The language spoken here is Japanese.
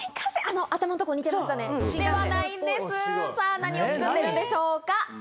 さあ、何を作ってるんでしょうか。